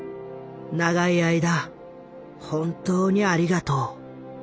長い間本当にありがとう。